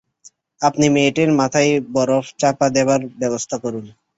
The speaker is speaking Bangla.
আপনি মেয়েটির মাথায় বরফ চাপা দেবার ব্যবস্থা করুন।